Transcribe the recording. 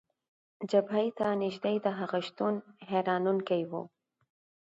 جبهې ته نژدې د هغه شتون، حیرانونکی و.